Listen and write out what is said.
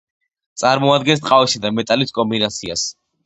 წარმოადგენს ტყავისა და მეტალის კომბინაციას.